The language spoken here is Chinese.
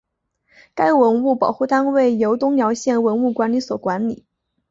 该文物保护单位由东辽县文物管理所管理。